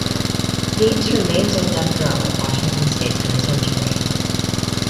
Yates remains on death row at the Washington State Penitentiary.